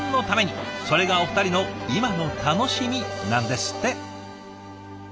それがお二人の今の楽しみなんですって。